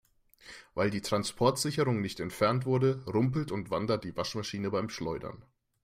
Weil die Transportsicherung nicht entfernt wurde, rumpelt und wandert die Waschmaschine beim Schleudern.